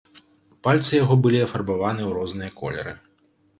Пальцы яго былі афарбаваны ў розныя колеры.